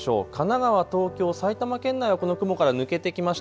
神奈川、東京、埼玉県内はこの雲が抜けてきました。